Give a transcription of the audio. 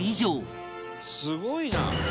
「すごいな！」